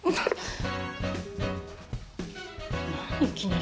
何？